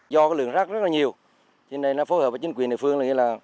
do lượng rác rất nhiều nên nó phối hợp với chính quyền địa phương